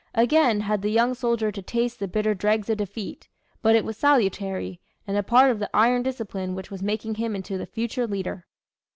Again had the young soldier to taste the bitter dregs of defeat but it was salutary, and a part of the iron discipline which was making him into the future leader.